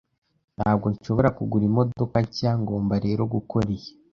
Ntabwo nshobora kugura imodoka nshya, ngomba rero gukora iyi.